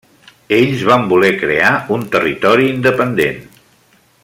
Ells van voler crear un territori independent.